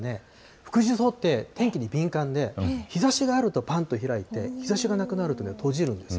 福寿草って、天気に敏感で、日ざしがあるとぱんと開いて、日ざしがなくなると閉じるんです。